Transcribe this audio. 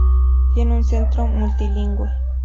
Tiene un Centro Multilingüe.